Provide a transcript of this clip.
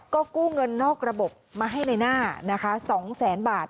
ก็กู้เงินนอกระบบมาให้ในหน้านะคะ๒แสนบาท